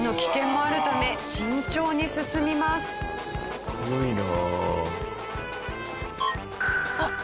すごいな。